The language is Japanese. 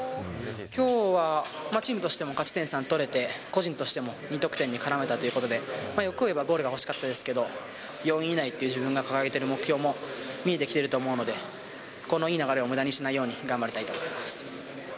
きょうはチームとしても勝ち点３取れて、個人としても２得点に絡めたということで、まあ、欲を言えばゴールが欲しかったですけど、４位以内という自分が掲げている目標も見えてきていると思うので、このいい流れをむだにしないように頑張りたいと思います。